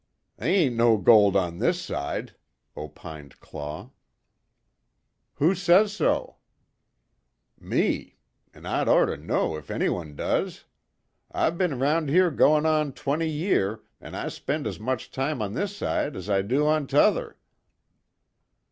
"They ain't no gold on this side," opined Claw. "Who says so?" "Me. An' I'd ort to know if anyone does. I've be'n around here goin' on twenty year, an' I spend as much time on this side as I do on t'other."